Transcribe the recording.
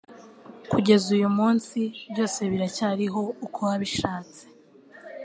Kugeza uyu munsi byose biracyariho uko wabishatse